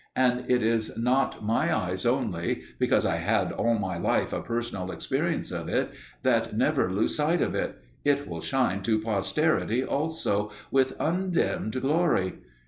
And it is not my eyes only, because I had all my life a personal experience of it, that never lose sight of it: it will shine to posterity also with undimmed glory.